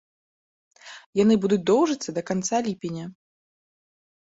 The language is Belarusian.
Яны будуць доўжыцца да канца ліпеня.